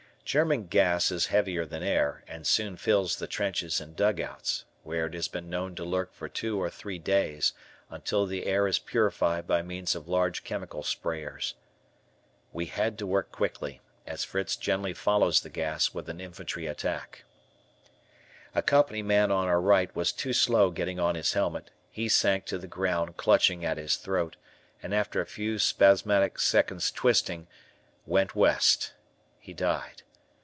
German gas is heavier than air and soon fills the trenches and dugouts, where it has been known to lurk for two or three days, until the air is purified by means of large chemical sprayers. We had to work quickly, as Fritz generally follows the gas with an infantry attack. A company man on our right was too slow in getting on his helmet; he sank to the ground, clutching at his throat, and after a few spasmodic twisting, went West (died).